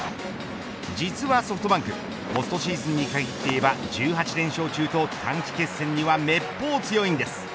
実はソフトバンクポストシーズンに限っていえば１８連勝中と短期決戦にはめっぽう強いんです。